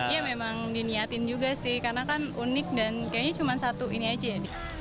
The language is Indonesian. ya memang diniatin juga sih karena kan unik dan kayaknya cuma satu ini aja